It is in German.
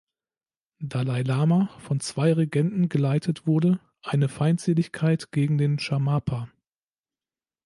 Dalai Lama von zwei Regenten geleitet wurde, eine Feindseligkeit gegen den Shamarpa.